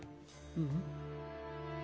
うん？